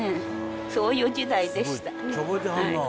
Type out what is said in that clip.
そういう時代でした。